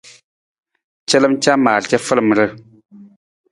Calam camar cafalamar.